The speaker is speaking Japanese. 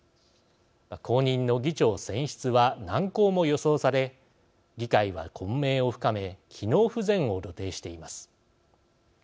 後任の議長選出は難航も予想され議会は混迷を深め機能不全を露呈しています。